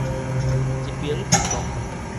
一爿一國